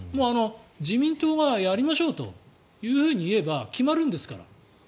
自民党がやりましょうというふうに言えば決まるんですから。